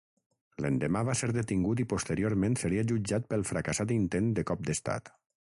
L'endemà va ser detingut i posteriorment seria jutjat pel fracassat intent de cop d'estat.